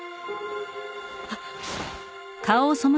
あっ。